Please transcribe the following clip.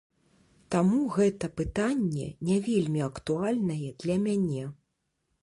Таму гэта пытанне не вельмі актуальнае для мяне.